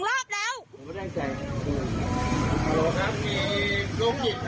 สวัสดีครับมีรุงจิตครับ